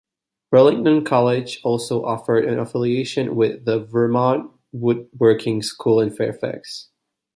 Burlington College also offered an affiliation with the Vermont Woodworking School in Fairfax.